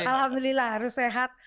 alhamdulillah harus sehat